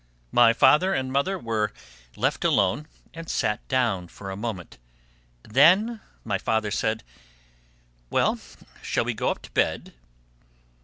My father and mother were left alone and sat down for a moment; then my father said: "Well, shall we go up to bed?"